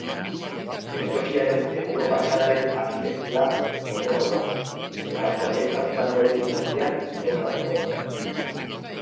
Geltokiaren egungo fatxadaren arkitektura gordeko da, eta proiektatutako eraikin berrian integratuko da.